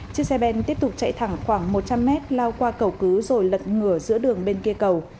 chiếc xe ben tiếp tục chạy thẳng khoảng một trăm linh mét lao qua cầu cứu rồi lật ngửa giữa đường bên kia cầu